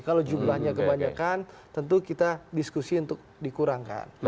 kalau jumlahnya kebanyakan tentu kita diskusi untuk dikurangkan